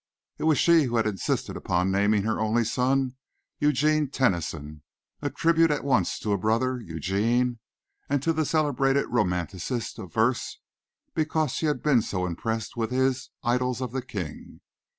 It was she who had insisted upon naming her only son Eugene Tennyson, a tribute at once to a brother Eugene, and to the celebrated romanticist of verse, because she had been so impressed with his "Idylls of the King."